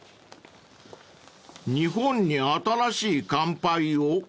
［「日本に、新しい乾杯を。」